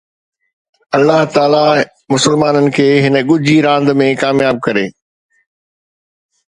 الله تعاليٰ مسلمانن کي هن ڳجهي راند ۾ ڪامياب ڪري